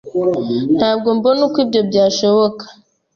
Ntabwo mbona uko ibyo byashoboka.